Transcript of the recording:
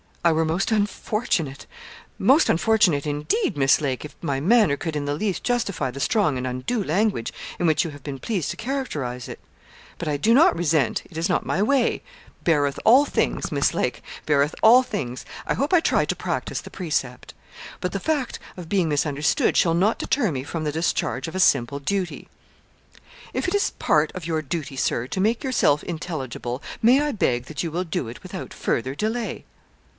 'I were most unfortunate most unfortunate indeed, Miss Lake, if my manner could in the least justify the strong and undue language in which you have been pleased to characterise it. But I do not resent it is not my way "beareth all things," Miss Lake, "beareth all things" I hope I try to practise the precept; but the fact of being misunderstood shall not deter me from the discharge of a simple duty.' 'If it is part of your duty, Sir, to make yourself intelligible, may I beg that you will do it without further delay.'